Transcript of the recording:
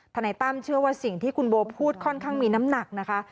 นายตั้มเชื่อว่าสิ่งที่คุณโบพูดค่อนข้างมีน้ำหนักนะคะ